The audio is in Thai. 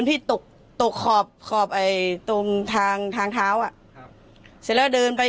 ที่ตกตกขอบขอบไอ้ตรงทางทางเท้าอ่ะครับเสร็จแล้วเดินไป